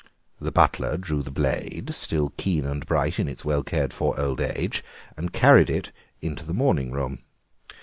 The butler drew the blade, still keen and bright in its well cared for old age, and carried it into the morning room.